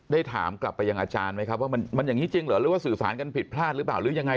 ถามกลับไปยังอาจารย์ไหมครับว่ามันอย่างนี้จริงเหรอหรือว่าสื่อสารกันผิดพลาดหรือเปล่าหรือยังไง